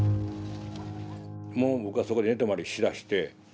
もう僕はそこで寝泊まりしだして。